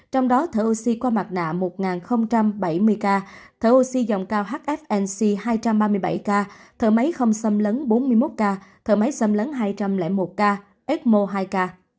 trong đó thở oxy qua mặt nạ một bảy mươi ca thở oxy dòng cao hfnc hai trăm ba mươi bảy ca thở máy không xâm lấn bốn mươi một ca thở máy xâm lấn hai trăm linh một ca emo hai k